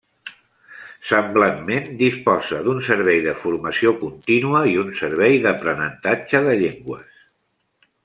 Semblantment, disposa d'un servei de formació contínua i un servei d'aprenentatge de llengües.